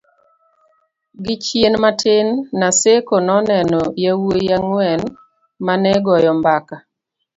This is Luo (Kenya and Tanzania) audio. gi chien matin Naseko noneno yawuyi ang'wen manegoyo mbaka